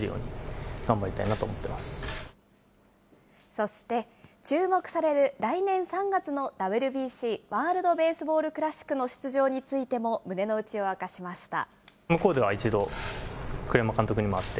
そして、注目される、来年３月のＷＢＣ・ワールドベースボールクラシックの出場についても、胸の内を明かしました。